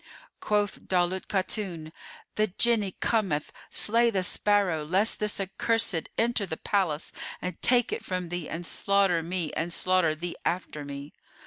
Quoth Daulat Khatun, "The Jinni cometh; slay the sparrow, lest this accursed enter the palace and take it from thee and slaughter me and slaughter thee after me."